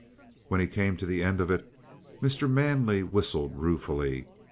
When he came to the end of it, Mr. Manley whistled ruefully.